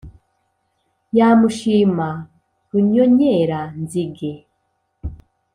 yamushima runyonyera-nzige.